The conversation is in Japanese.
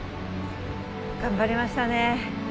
頑張りましたね。